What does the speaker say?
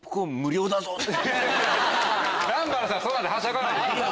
南原さんそんなんではしゃがないでしょ。